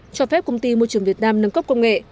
cho phép công ty môi trường việt nam nâng cấp công nghệ